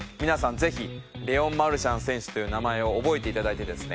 ぜひレオン・マルシャン選手という名前を覚えていただいてですね